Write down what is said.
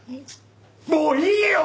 もういいよ！